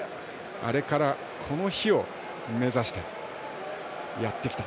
あれからこの日を目指してやってきた。